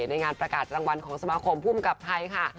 ในงานประกาศรางวัลของสมาคมภูมิกับไทยค่ะ